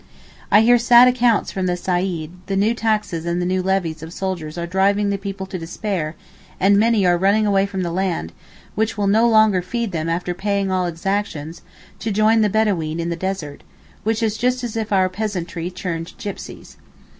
I hear sad accounts from the Saeed: the new taxes and the new levies of soldiers are driving the people to despair and many are running away from the land, which will no longer feed them after paying all exactions, to join the Bedaween in the desert, which is just as if our peasantry turned gipsies.